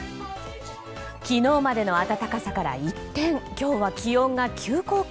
昨日までの暖かさから一転今日は気温が急降下。